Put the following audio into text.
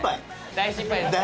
大失敗ですね。